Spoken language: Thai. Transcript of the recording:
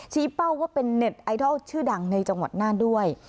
เป้าว่าเป็นเน็ตไอดอลชื่อดังในจังหวัดน่านด้วย